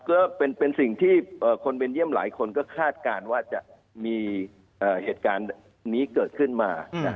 ก็เป็นสิ่งที่คนเบนเยี่ยมหลายคนก็คาดการณ์ว่าจะมีเหตุการณ์นี้เกิดขึ้นมา